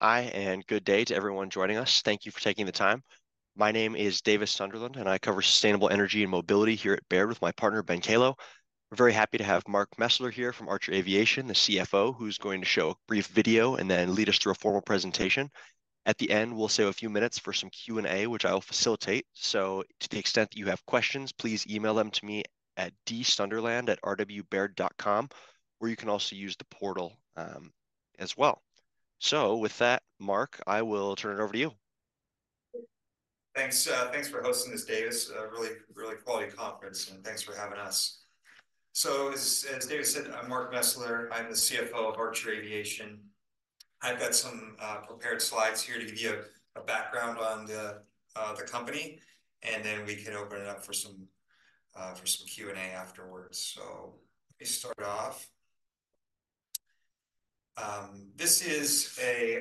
Hi and good day to everyone joining us. Thank you for taking the time. My name is Davis Sunderland, and I cover sustainable energy and mobility here at Baird with my partner, Ben Kallo. We're very happy to have Mark Mesler here from Archer Aviation, the CFO, who's going to show a brief video and then lead us through a formal presentation. At the end, we'll save a few minutes for some Q&A, which I will facilitate. So to the extent that you have questions, please email them to me at dsunderland@rwbaird.com, or you can also use the portal as well. So with that, Mark, I will turn it over to you. Thanks for hosting this, Davis. Really quality conference, and thanks for having us. So as Davis said, I'm Mark Mesler. I'm the CFO of Archer Aviation. I've got some prepared slides here to give you a background on the company, and then we can open it up for some Q&A afterwards. So let me start off. This is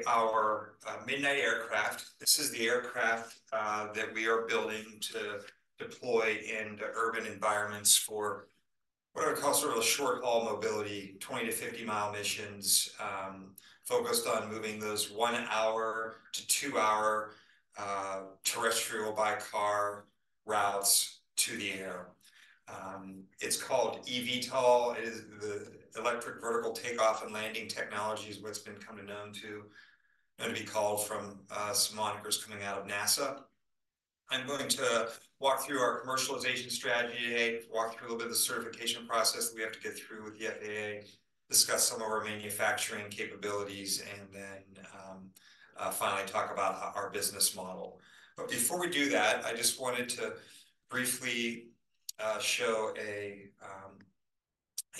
our Midnight aircraft. This is the aircraft that we are building to deploy in urban environments for what I would call sort of a short-haul mobility, 20-50-mile missions, focused on moving those 1-hour to 2-hour terrestrial by car routes to the air. It's called eVTOL. It is the electric vertical takeoff and landing technology, is what it's been come to know to be called from some monikers coming out of NASA. I'm going to walk through our commercialization strategy today, walk through a little bit of the certification process that we have to get through with the FAA, discuss some of our manufacturing capabilities, and then finally talk about our business model. But before we do that, I just wanted to briefly show a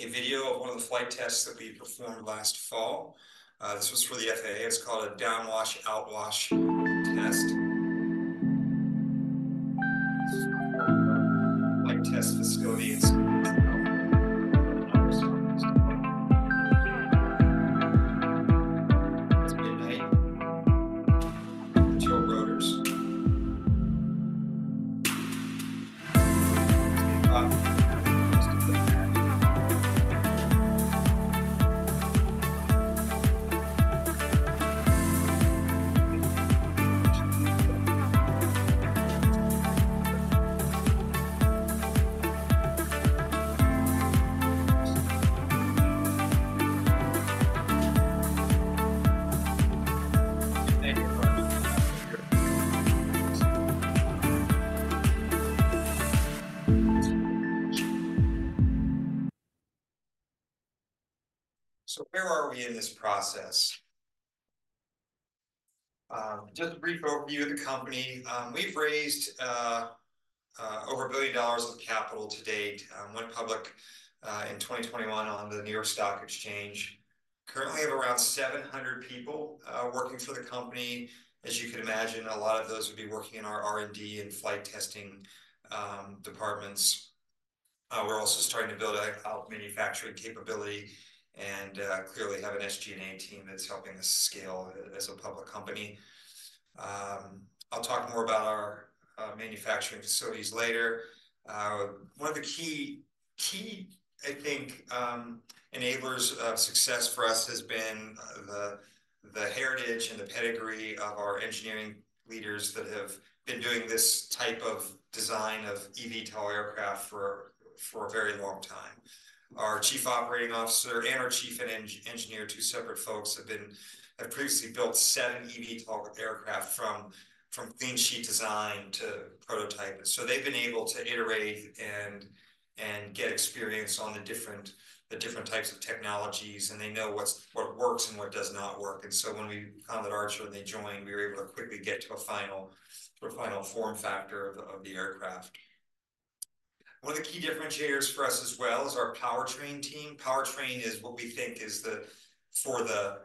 video of one of the flight tests that we performed last fall. This was for the FAA. It's called a downwash-outwash test. Flight test facility in San Francisco. It's Midnight. tail number. So where are we in this process? Just a brief overview of the company. We've raised over $1 billion of capital to date, went public in 2021 on the New York Stock Exchange. Currently have around 700 people working for the company. As you can imagine, a lot of those would be working in our R&D and flight testing departments. We're also starting to build out manufacturing capability and clearly have an SG&A team that's helping us scale as a public company. I'll talk more about our manufacturing facilities later. One of the key, key, I think, enablers of success for us has been the heritage and the pedigree of our engineering leaders that have been doing this type of design of eVTOL aircraft for a very long time. Our Chief Operating Officer and our Chief Engineer, two separate folks, have previously built seven eVTOL aircraft from clean sheet design to prototype. So they've been able to iterate and get experience on the different types of technologies, and they know what works and what does not work. And so when we found that Archer and they joined, we were able to quickly get to a final form factor of the aircraft. One of the key differentiators for us as well is our Powertrain team. Powertrain is what we think is the, for the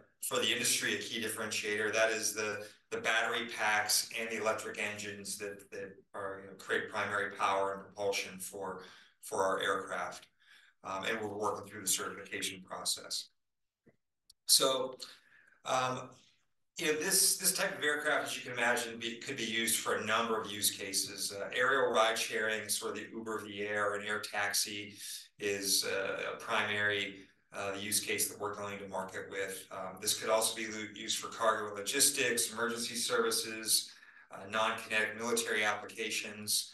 industry, a key differentiator. That is the battery packs and the electric engines that create primary power and propulsion for our aircraft. We're working through the certification process. This type of aircraft, as you can imagine, could be used for a number of use cases. Aerial ride-sharing, sort of the Uber of the air and air taxi, is a primary use case that we're going to market with. This could also be used for cargo logistics, emergency services, non-combat military applications.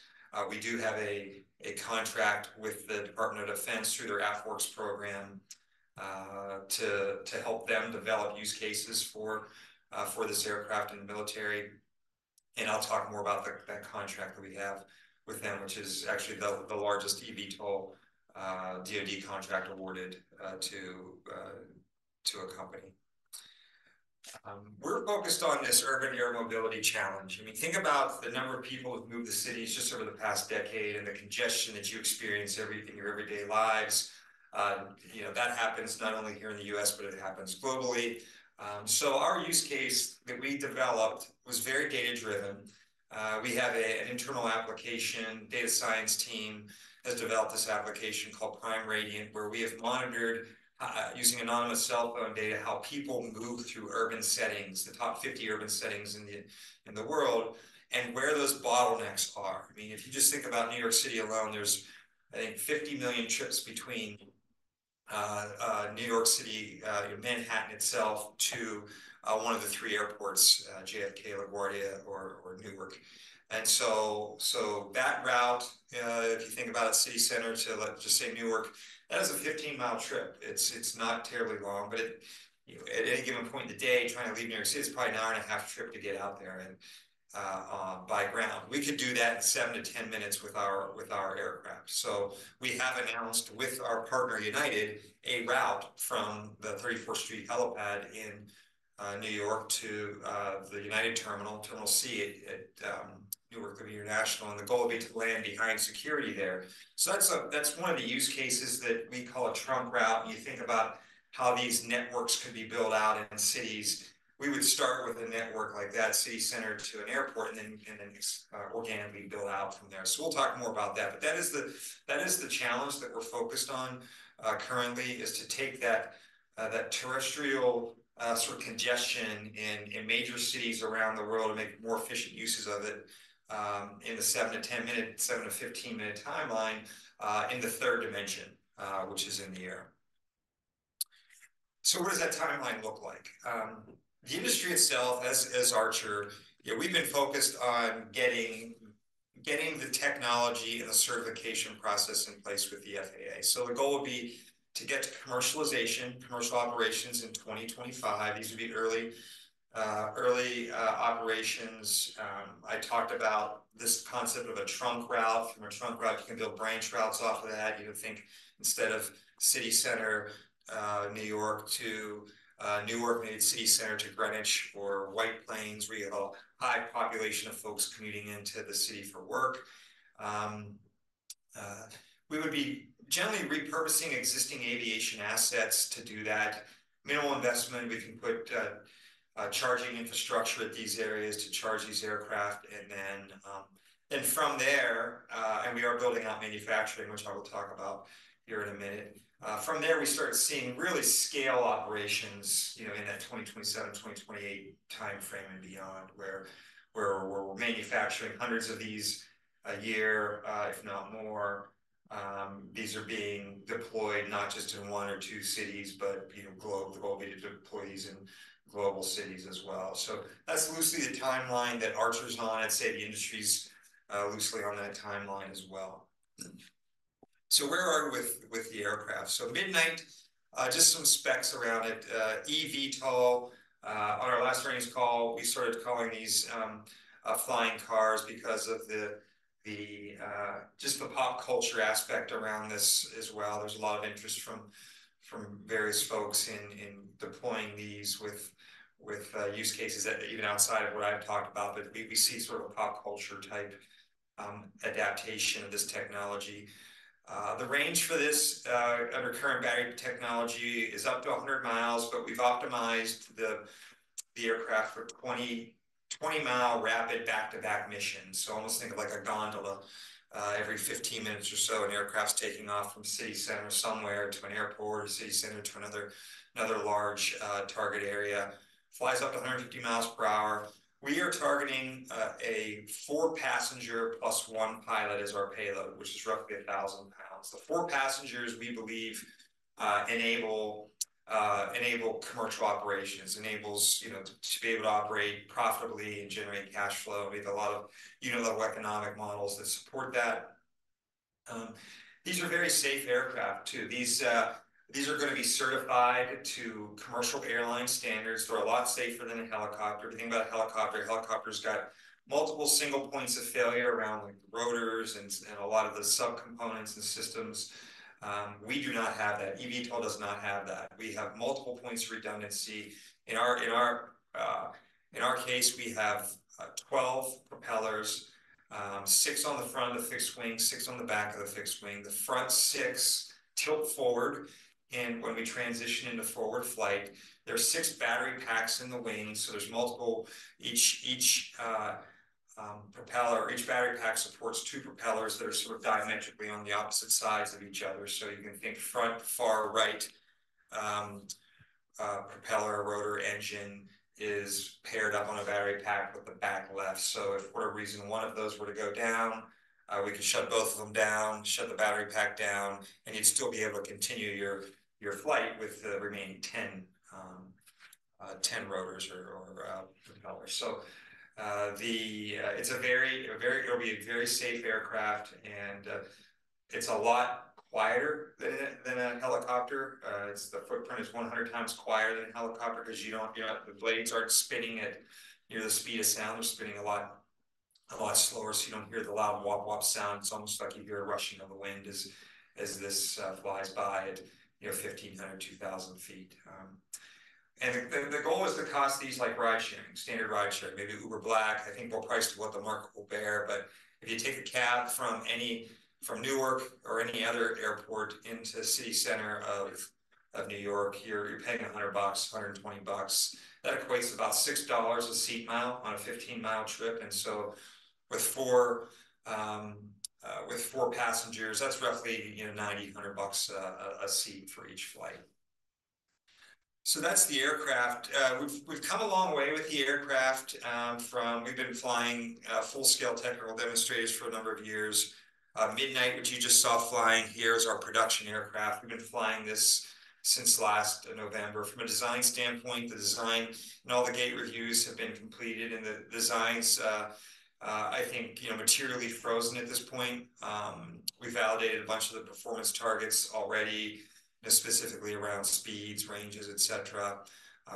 We do have a contract with the Department of Defense through their AFWERX program to help them develop use cases for this aircraft in the military. I'll talk more about that contract that we have with them, which is actually the largest eVTOL DoD contract awarded to a company. We're focused on this urban air mobility challenge. I mean, think about the number of people who've moved the cities just over the past decade and the congestion that you experience in your everyday lives. That happens not only here in the U.S., but it happens globally. So our use case that we developed was very data-driven. We have an internal application. Data science team has developed this application called Prime Radiant, where we have monitored, using anonymous cell phone data, how people move through urban settings, the top 50 urban settings in the world, and where those bottlenecks are. I mean, if you just think about New York City alone, there's, I think, 50 million trips between New York City, Manhattan itself, to one of the three airports, JFK, LaGuardia, or Newark. And so that route, if you think about a city center to, just say, Newark, that is a 15-mile trip. It's not terribly long, but at any given point of the day, trying to leave New York City, it's probably an hour and a half trip to get out there by ground. We could do that in 7-10 minutes with our aircraft. So we have announced with our partner, United, a route from the 34th Street Helipad in New York to the United Terminal, Terminal C at Newark Liberty International, and the goal would be to land behind security there. So that's one of the use cases that we call a trunk route. You think about how these networks could be built out in cities. We would start with a network like that, city center to an airport, and then organically build out from there. We'll talk more about that. That is the challenge that we're focused on currently, is to take that terrestrial sort of congestion in major cities around the world and make more efficient uses of it in the 7-10-minute, 7-15-minute timeline in the third dimension, which is in the air. What does that timeline look like? The industry itself, as Archer, we've been focused on getting the technology and the certification process in place with the FAA. The goal would be to get to commercialization, commercial operations in 2025. These would be early operations. I talked about this concept of a trunk route. From a trunk route, you can build branch routes off of that. You would think instead of city center, New York to Newark, maybe city center to Greenwich, or White Plains, where you have a high population of folks commuting into the city for work. We would be generally repurposing existing aviation assets to do that. Minimal investment. We can put charging infrastructure at these areas to charge these aircraft. And then from there, and we are building out manufacturing, which I will talk about here in a minute, from there, we start seeing really scale operations in that 2027, 2028 timeframe and beyond, where we're manufacturing hundreds of these a year, if not more. These are being deployed not just in one or two cities, but globally. The goal would be to deploy these in global cities as well. So that's loosely the timeline that Archer's on. I'd say the industry's loosely on that timeline as well. So where are we with the aircraft? So Midnight, just some specs around it. eVTOL. On our last earnings call, we started calling these flying cars because of just the pop culture aspect around this as well. There's a lot of interest from various folks in deploying these with use cases even outside of what I've talked about, but we see sort of a pop culture type adaptation of this technology. The range for this under current battery technology is up to 100 miles, but we've optimized the aircraft for 20-mile rapid back-to-back missions. So almost think of like a gondola every 15 minutes or so, an aircraft taking off from city center somewhere to an airport, a city center to another large target area. Flies up to 150 miles per hour. We are targeting a four-passenger plus one pilot as our payload, which is roughly 1,000 pounds. The four passengers, we believe, enable commercial operations, enables to be able to operate profitably and generate cash flow. We have a lot of unit-level economic models that support that. These are very safe aircraft, too. These are going to be certified to commercial airline standards. They're a lot safer than a helicopter. If you think about a helicopter, a helicopter's got multiple single points of failure around the rotors and a lot of the subcomponents and systems. We do not have that. eVTOL does not have that. We have multiple points of redundancy. In our case, we have 12 propellers, six on the front of the fixed wing, six on the back of the fixed wing. The front six tilt forward. When we transition into forward flight, there are six battery packs in the wing. So there's multiple each propeller, or each battery pack supports two propellers that are sort of diametrically on the opposite sides of each other. So you can think front, far, right propeller, rotor, engine is paired up on a battery pack with the back left. So if for a reason one of those were to go down, we could shut both of them down, shut the battery pack down, and you'd still be able to continue your flight with the remaining 10 rotors or propellers. So it's a very safe aircraft, and it's a lot quieter than a helicopter. The footprint is 100 times quieter than a helicopter because you don't the blades aren't spinning at the speed of sound. They're spinning a lot slower, so you don't hear the loud wop-wop sound. It's almost like you hear a rushing of the wind as this flies by at 1,500-2,000 feet. The goal is to cost these like ride-sharing, standard ride-sharing, maybe Uber Black. I think we'll price to what the market will bear. But if you take a cab from Newark or any other airport into the city center of New York, you're paying $100-$120. That equates to about $6 a seat mile on a 15-mile trip. With 4 passengers, that's roughly $90-$100 a seat for each flight. So that's the aircraft. We've come a long way with the aircraft. We've been flying full-scale technical demonstrators for a number of years. Midnight, which you just saw flying here, is our production aircraft. We've been flying this since last November. From a design standpoint, the design and all the gate reviews have been completed, and the design's, I think, materially frozen at this point. We validated a bunch of the performance targets already, specifically around speeds, ranges, etc.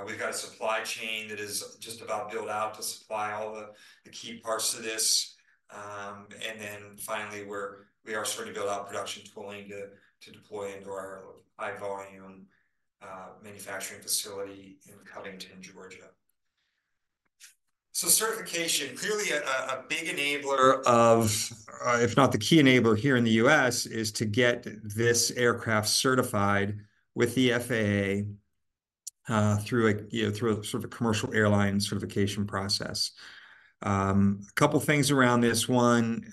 We've got a supply chain that is just about built out to supply all the key parts to this. And then finally, we are starting to build out production tooling to deploy into our high-volume manufacturing facility in Covington, Georgia. So certification, clearly a big enabler of, if not the key enabler here in the U.S., is to get this aircraft certified with the FAA through a sort of a commercial airline certification process. A couple of things around this. One,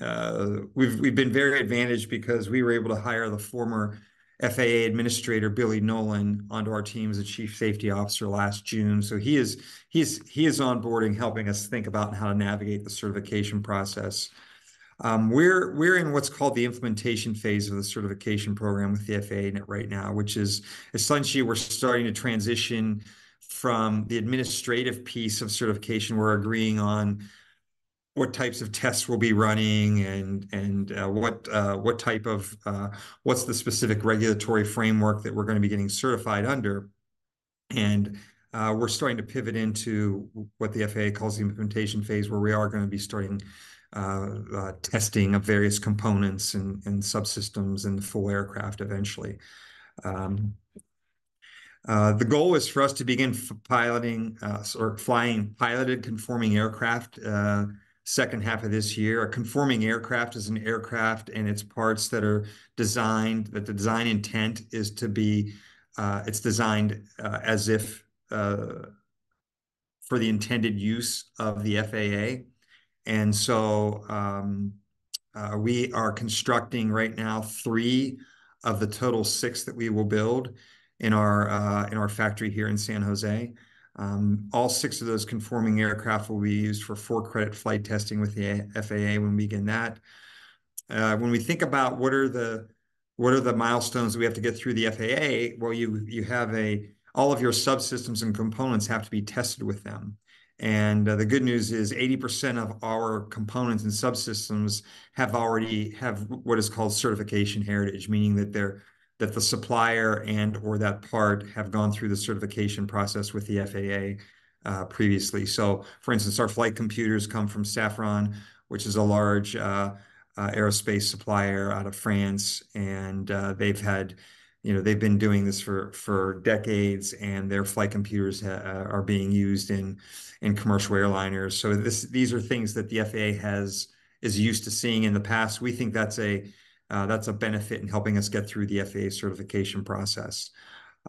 we've been very advantaged because we were able to hire the former FAA administrator, Billy Nolen, onto our team as a Chief Safety Officer last June. So he is onboarding, helping us think about how to navigate the certification process. We're in what's called the Implementation Phase of the certification program with the FAA right now, which is essentially we're starting to transition from the administrative piece of certification. We're agreeing on what types of tests we'll be running and what type of what's the specific regulatory framework that we're going to be getting certified under. We're starting to pivot into what the FAA calls the Implementation Phase, where we are going to be starting testing of various components and subsystems in the full aircraft eventually. The goal is for us to begin piloting or flying piloted conforming aircraft the second half of this year. A conforming aircraft is an aircraft and its parts that are designed that the design intent is to be it's designed as if for the intended use of the FAA. We are constructing right now 3 of the total 6 that we will build in our factory here in San Jose. All 6 of those conforming aircraft will be used for certification flight testing with the FAA when we begin that. When we think about what are the milestones that we have to get through the FAA, well, you have all of your subsystems and components have to be tested with them. And the good news is 80% of our components and subsystems have already had what is called certification heritage, meaning that the supplier and/or that part have gone through the certification process with the FAA previously. So for instance, our flight computers come from Safran, which is a large aerospace supplier out of France. And they've been doing this for decades, and their flight computers are being used in commercial airliners. So these are things that the FAA is used to seeing in the past. We think that's a benefit in helping us get through the FAA certification process.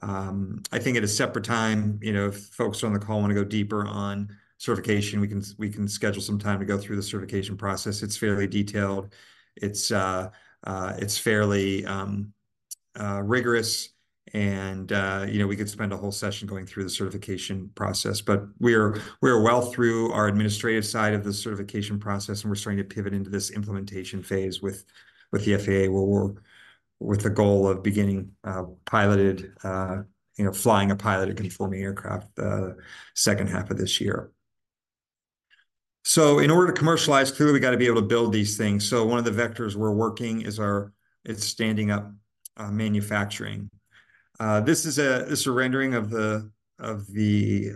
I think at a separate time, if folks on the call want to go deeper on certification, we can schedule some time to go through the certification process. It's fairly detailed. It's fairly rigorous. We could spend a whole session going through the certification process. But we are well through our administrative side of the certification process, and we're starting to pivot into this implementation phase with the FAA with the goal of beginning piloted flying a piloted conforming aircraft the second half of this year. So in order to commercialize, clearly, we got to be able to build these things. One of the vectors we're working is our standing up manufacturing. This is a rendering of the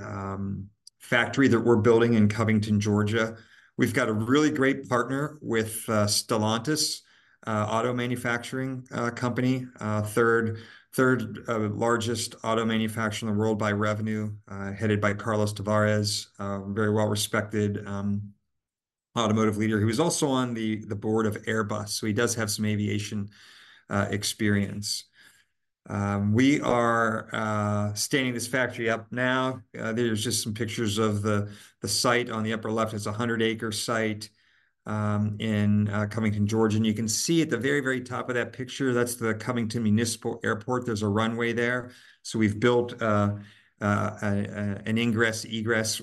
factory that we're building in Covington, Georgia. We've got a really great partner with Stellantis, an auto manufacturing company, third largest auto manufacturer in the world by revenue, headed by Carlos Tavares, a very well-respected automotive leader. He was also on the board of Airbus, so he does have some aviation experience. We are standing this factory up now. There's just some pictures of the site on the upper left. It's a 100-acre site in Covington, Georgia. And you can see at the very, very top of that picture, that's the Covington Municipal Airport. There's a runway there. So we've built an ingress/egress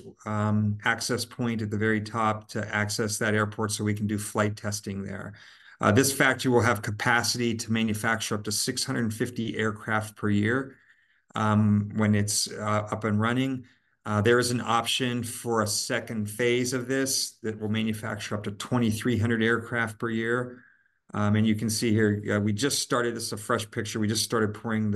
access point at the very top to access that airport so we can do flight testing there. This factory will have capacity to manufacture up to 650 aircraft per year when it's up and running. There is an option for a second phase of this that will manufacture up to 2,300 aircraft per year. You can see here, we just started this, a fresh picture. We just started pouring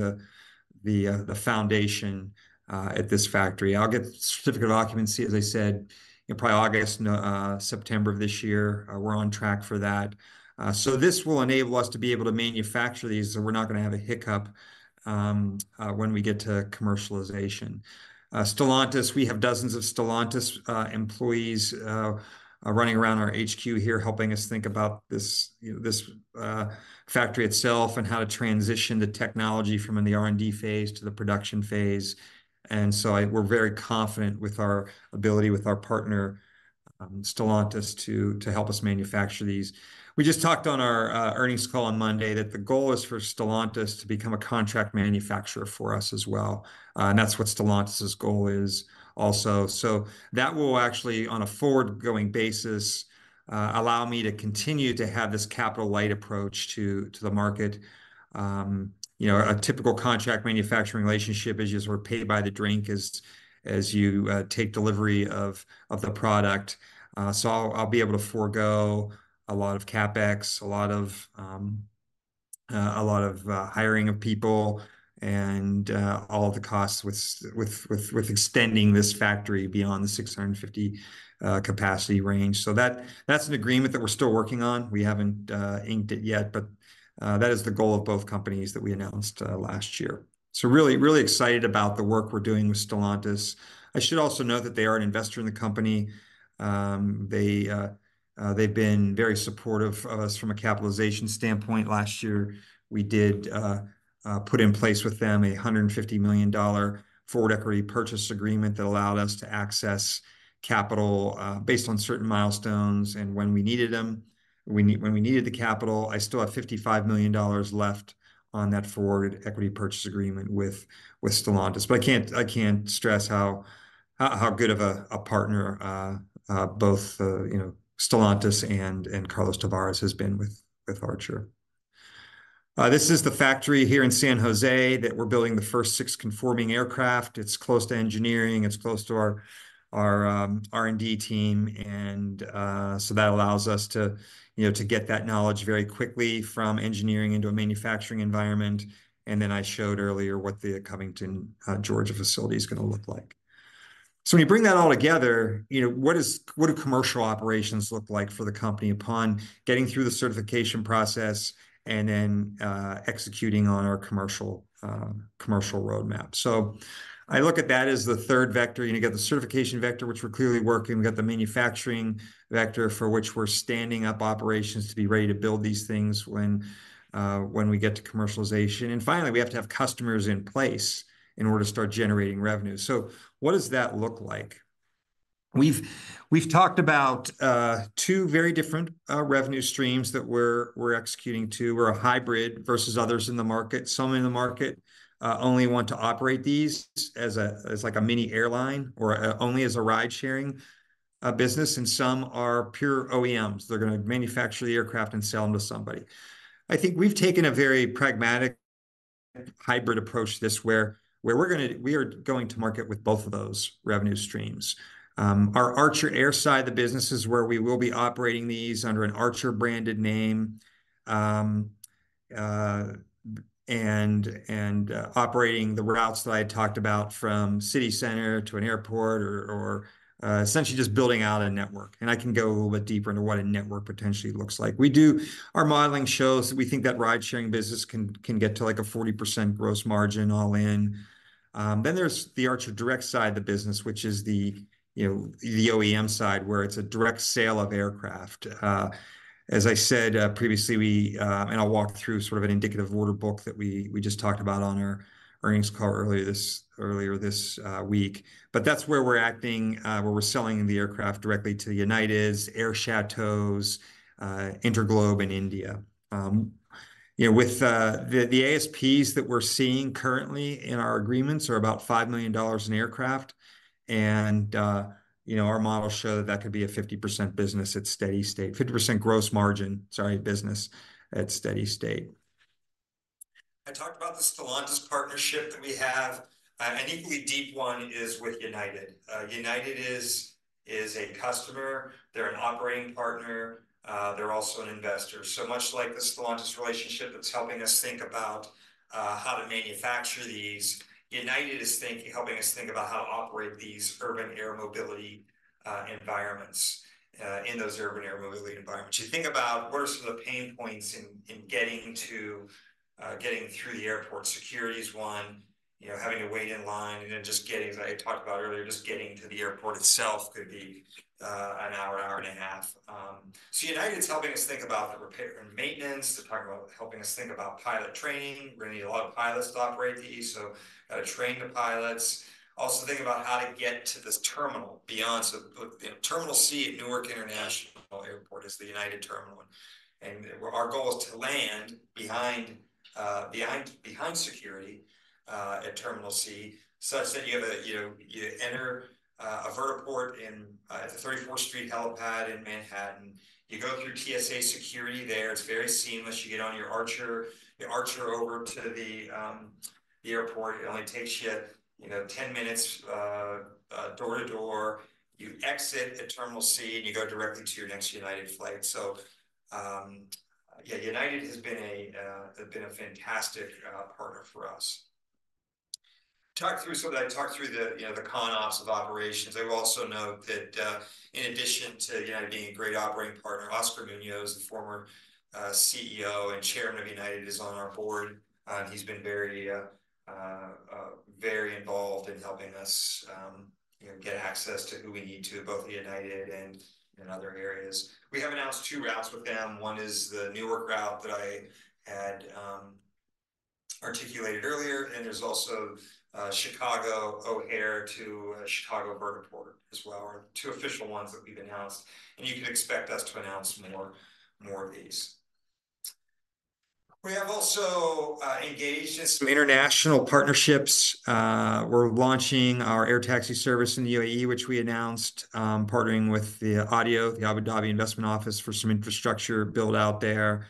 the foundation at this factory. I'll get certificate of occupancy, as I said, probably August, September of this year. We're on track for that. This will enable us to be able to manufacture these, so we're not going to have a hiccup when we get to commercialization. Stellantis, we have dozens of Stellantis employees running around our HQ here helping us think about this factory itself and how to transition the technology from in the R&D phase to the production phase. We're very confident with our ability with our partner, Stellantis, to help us manufacture these. We just talked on our earnings call on Monday that the goal is for Stellantis to become a contract manufacturer for us as well. That's what Stellantis's goal is also. That will actually, on a forward-going basis, allow me to continue to have this capital light approach to the market. A typical contract manufacturing relationship is just we're paid by the drink as you take delivery of the product. I'll be able to forgo a lot of CapEx, a lot of hiring of people, and all of the costs with extending this factory beyond the 650 capacity range. That's an agreement that we're still working on. We haven't inked it yet, but that is the goal of both companies that we announced last year. Really, really excited about the work we're doing with Stellantis. I should also note that they are an investor in the company. They've been very supportive of us from a capitalization standpoint last year. We did put in place with them a $150 million forward equity purchase agreement that allowed us to access capital based on certain milestones and when we needed them. When we needed the capital, I still have $55 million left on that forward equity purchase agreement with Stellantis. But I can't stress how good of a partner both Stellantis and Carlos Tavares has been with Archer. This is the factory here in San Jose that we're building the first six conforming aircraft. It's close to engineering. It's close to our R&D team. And so that allows us to get that knowledge very quickly from engineering into a manufacturing environment. And then I showed earlier what the Covington, Georgia facility is going to look like. So when you bring that all together, what do commercial operations look like for the company upon getting through the certification process and then executing on our commercial roadmap? So I look at that as the third vector. You're going to get the certification vector, which we're clearly working. We've got the manufacturing vector for which we're standing up operations to be ready to build these things when we get to commercialization. And finally, we have to have customers in place in order to start generating revenue. So what does that look like? We've talked about two very different revenue streams that we're executing to. We're a hybrid versus others in the market. Some in the market only want to operate these as like a mini airline or only as a ride-sharing business, and some are pure OEMs. They're going to manufacture the aircraft and sell them to somebody. I think we've taken a very pragmatic hybrid approach to this where we're going to market with both of those revenue streams. Our Archer Air side, the business where we will be operating these under an Archer-branded name. And operating the routes that I had talked about from city center to an airport or essentially just building out a network. And I can go a little bit deeper into what a network potentially looks like. Our modeling shows that we think that ride-sharing business can get to like a 40% gross margin all in. Then there's the Archer Direct side, the business, which is the OEM side where it's a direct sale of aircraft. As I said previously, and I'll walk through sort of an indicative order book that we just talked about on our earnings call earlier this week. But that's where we're acting, where we're selling the aircraft directly to United, Air Château, InterGlobe, and India. With the ASPs that we're seeing currently in our agreements are about $5 million per aircraft. And our models show that that could be a 50% gross margin business at steady state, sorry, 50% gross margin business at steady state. I talked about the Stellantis partnership that we have. An equally deep one is with United. United is a customer. They're an operating partner. They're also an investor. So much like the Stellantis relationship that's helping us think about how to manufacture these, United is helping us think about how to operate these urban air mobility environments. In those urban air mobility environments, you think about what are some of the pain points in getting through the airport securities. 1, having to wait in line and then just getting, as I had talked about earlier, just getting to the airport itself could be 1 hour, 1 hour and a half. So United is helping us think about the repair and maintenance. They're talking about helping us think about pilot training. We're going to need a lot of pilots to operate these, so got to train the pilots. Also think about how to get to this terminal beyond. So Terminal C at Newark Liberty International Airport is the United terminal. And our goal is to land behind security at Terminal C such that you enter a vertiport at the 34th Street Helipad in Manhattan. You go through TSA security there. It's very seamless. You get on your Archer, the Archer over to the airport. It only takes you 10 minutes door to door. You exit at Terminal C and you go directly to your next United flight. So yeah, United has been a fantastic partner for us. Talk through some of that. Talk through the ins and outs of operations. I will also note that in addition to United being a great operating partner, Oscar Munoz, the former CEO and chairman of United, is on our board. He's been very involved in helping us get access to who we need to, both the United and other areas. We have announced two routes with them. One is the Newark route that I had articulated earlier, and there's also Chicago O'Hare to Chicago vertiport as well, or two official ones that we've announced. And you can expect us to announce more of these. We have also engaged in some international partnerships. We're launching our air taxi service in the UAE, which we announced, partnering with the Abu Dhabi Investment Office for some infrastructure build out there.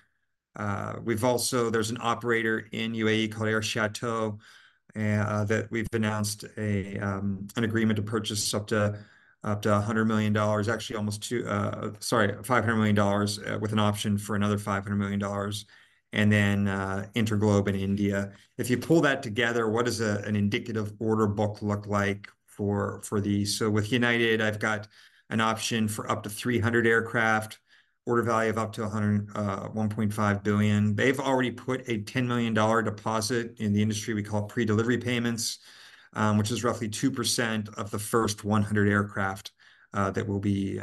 There's an operator in UAE called Air Château that we've announced an agreement to purchase up to $100 million, actually almost sorry, $500 million with an option for another $500 million. And then InterGlobe in India. If you pull that together, what does an indicative order book look like for these? So with United, I've got an option for up to 300 aircraft. Order value of up to $1.5 billion. They've already put a $10 million deposit in the industry. We call it pre-delivery payments, which is roughly 2% of the first 100 aircraft that will be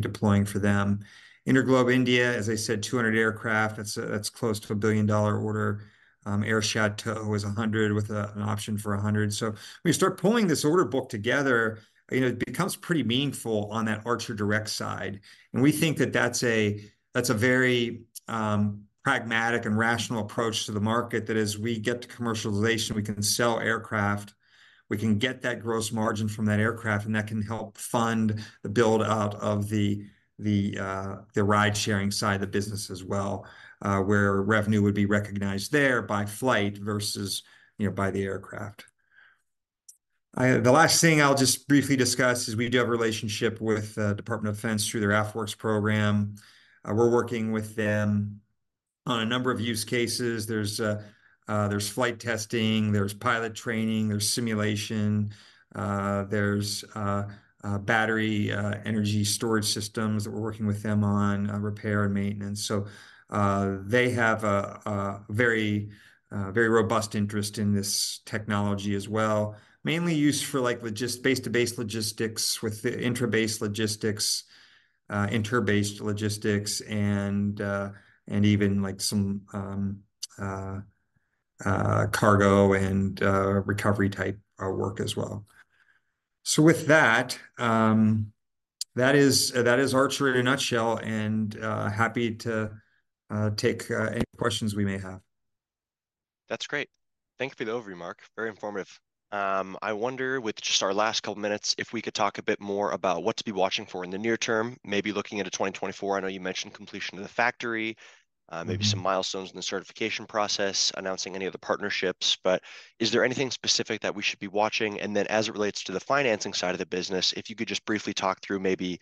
deploying for them. InterGlobe India, as I said, 200 aircraft. That's close to a $1 billion order. Air Château is 100 with an option for 100. So when you start pulling this order book together, it becomes pretty meaningful on that Archer Direct side. And we think that that's a very pragmatic and rational approach to the market that as we get to commercialization, we can sell aircraft. We can get that gross margin from that aircraft, and that can help fund the build-out of the ride-sharing side of the business as well, where revenue would be recognized there by flight versus by the aircraft. The last thing I'll just briefly discuss is we do have a relationship with the Department of Defense through their AFWERX program. We're working with them on a number of use cases. There's flight testing, there's pilot training, there's simulation. There's battery energy storage systems that we're working with them on repair and maintenance. They have a very robust interest in this technology as well, mainly used for like just base-to-base logistics with intra-base logistics, inter-based logistics, and even like some cargo and recovery type work as well. With that, that is Archer in a nutshell and happy to take any questions we may have. That's great. Thank you for the overview, Mark. Very informative. I wonder with just our last couple of minutes if we could talk a bit more about what to be watching for in the near term, maybe looking into 2024. I know you mentioned completion of the factory. Maybe some milestones in the certification process, announcing any of the partnerships, but is there anything specific that we should be watching? And then as it relates to the financing side of the business, if you could just briefly talk through maybe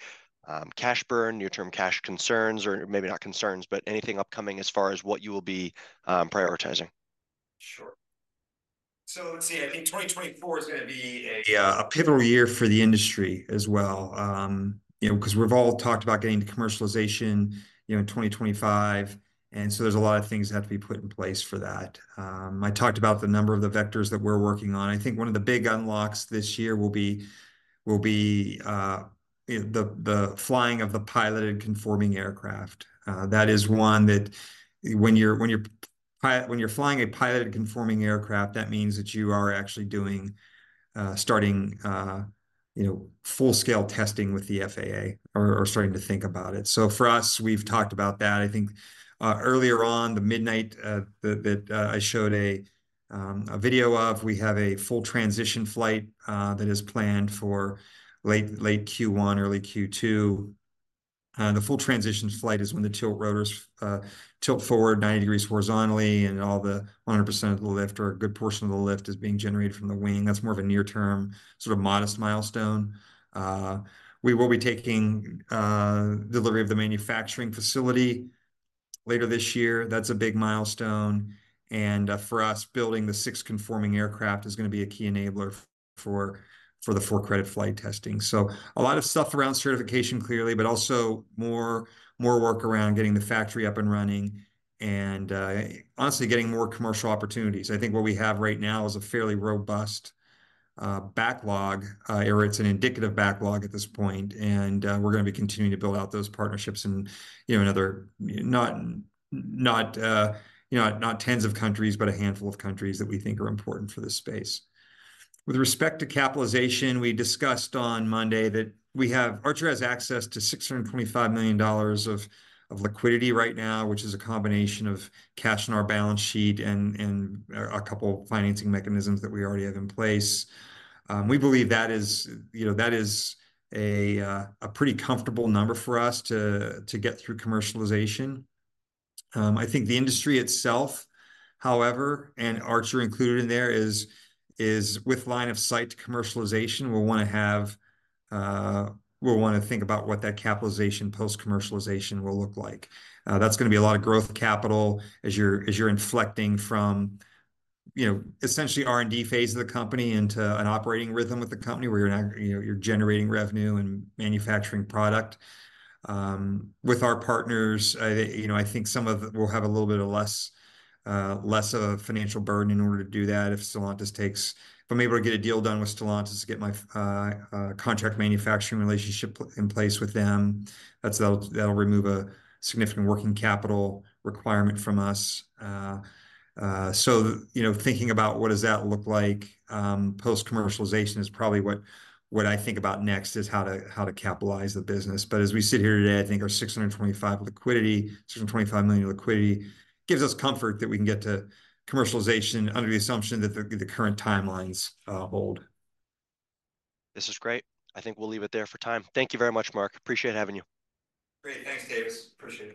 cash burn, near-term cash concerns, or maybe not concerns, but anything upcoming as far as what you will be prioritizing. Sure. So let's see. I think 2024 is going to be a pivotal year for the industry as well because we've all talked about getting to commercialization in 2025. And so there's a lot of things that have to be put in place for that. I talked about the number of the vectors that we're working on. I think one of the big unlocks this year will be the flying of the piloted conforming aircraft. That is one that when you're flying a piloted conforming aircraft, that means that you are actually starting full-scale testing with the FAA or starting to think about it. So for us, we've talked about that. I think earlier on, the Midnight that I showed a video of, we have a full transition flight that is planned for late Q1, early Q2. The full transition flight is when the tilt rotors tilt forward 90 degrees horizontally and all the 100% of the lift or a good portion of the lift is being generated from the wing. That's more of a near-term sort of modest milestone. We will be taking delivery of the manufacturing facility later this year. That's a big milestone. And for us, building the six conforming aircraft is going to be a key enabler for the four-quadrant flight testing. So a lot of stuff around certification clearly, but also more work around getting the factory up and running. And honestly, getting more commercial opportunities. I think what we have right now is a fairly robust backlog, or it's an indicative backlog at this point, and we're going to be continuing to build out those partnerships in another not tens of countries, but a handful of countries that we think are important for this space. With respect to capitalization, we discussed on Monday that Archer has access to $625 million of liquidity right now, which is a combination of cash on our balance sheet and a couple of financing mechanisms that we already have in place. We believe that is a pretty comfortable number for us to get through commercialization. I think the industry itself, however, and Archer included in there is with line of sight to commercialization. We'll want to think about what that capitalization post-commercialization will look like. That's going to be a lot of growth capital as you're inflecting from essentially R&D phase of the company into an operating rhythm with the company where you're generating revenue and manufacturing product. With our partners, I think some of it will have a little bit of less of a financial burden in order to do that if I'm able to get a deal done with Stellantis to get my contract manufacturing relationship in place with them. That'll remove a significant working capital requirement from us. So thinking about what does that look like post-commercialization is probably what I think about next is how to capitalize the business. But as we sit here today, I think our $625 million liquidity gives us comfort that we can get to commercialization under the assumption that the current timelines hold. This is great. I think we'll leave it there for time. Thank you very much, Mark. Appreciate having you. Great. Thanks, Davis. Appreciate it.